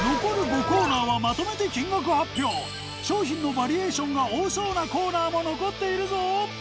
商品のバリエーションが多そうなコーナーも残っているぞ！